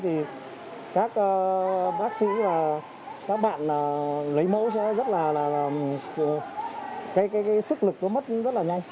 thì các bác sĩ và các bạn lấy mẫu sẽ rất là cái sức lực nó mất rất là nhanh